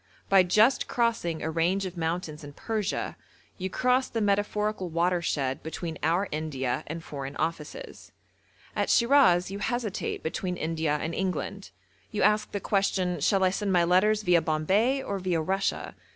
By just crossing a range of mountains in Persia you cross the metaphorical watershed between our India and Foreign Offices. At Shiraz you hesitate between India and England. You ask the question, 'Shall I send my letters viâ Bombay, or viâ Russia?'